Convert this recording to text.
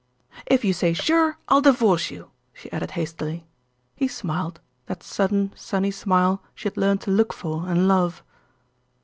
If you say 'sure,' I'll divorce you," she added hastily. He smiled, that sudden, sunny smile she had learned to look for and love.